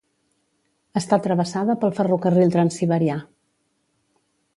Està travessada pel ferrocarril Transsiberià.